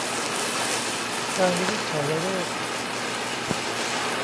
การวินิจฉัยโรค